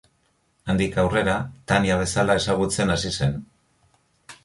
Handik aurrera, Tania bezala ezagutzen hasi zen.